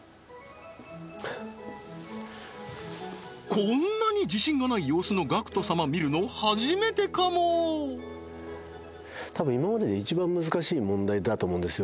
こんなに自信がない様子のＧＡＣＫＴ様見るの初めてかも多分今までで一番難しい問題だと思うんですよ